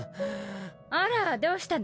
・あらどうしたの？